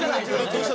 どうした？